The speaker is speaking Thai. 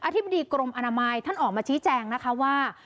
ธิบดีกรมอนามัยท่านออกมาชี้แจงนะคะว่า